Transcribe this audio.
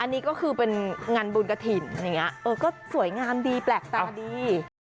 อันนี้ก็คือเป็นงานบุญกระถิ่นสวยงามดีแปลกตาดี